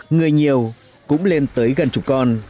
người nhiều cũng lên tới gần chục con